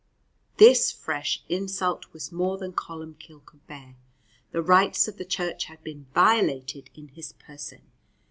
This fresh insult was more than Columbcille could bear. The rights of the Church had been violated in his person.